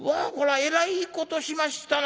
えらいことしましたな。